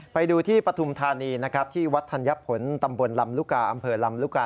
ไปดูที่ปฐุมธานีที่วัดธัญญพนธ์ตำบลลำลุกาอำเภอลำลุกา